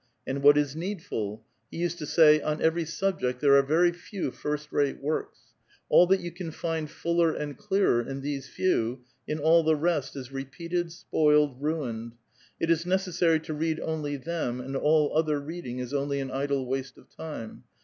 And what is needful? He used to say : "On every subject there are very few first rate works ; all that vou can find fuller and clearer in these few, in all the rest is repeated, spoiled, ruined. It is necessary to read only them, and all other reading is only an idle waste of time.